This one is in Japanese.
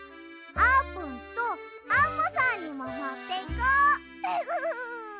あーぷんとアンモさんにももっていこうフフフ。